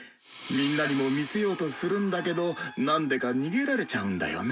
みんなにも見せようとするんだけど何でか逃げられちゃうんだよね。